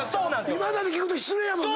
今田に聞くと失礼やもんな！